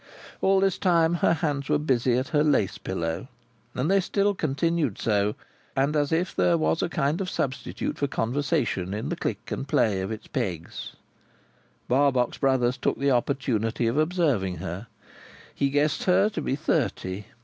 All this time her hands were busy at her lace pillow. As they still continued so, and as there was a kind of substitute for conversation in the click and play of its pegs, Barbox Brothers took the opportunity of observing her. He guessed her to be thirty.